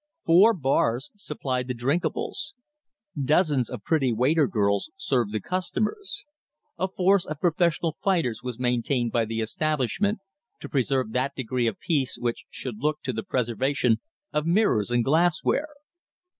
Four bars supplied the drinkables. Dozens of "pretty waiter girls" served the customers. A force of professional fighters was maintained by the establishment to preserve that degree of peace which should look to the preservation of mirrors and glassware.